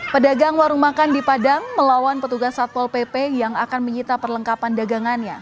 pedagang warung makan di padang melawan petugas satpol pp yang akan menyita perlengkapan dagangannya